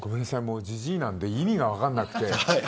じじいなので意味が分からなくて。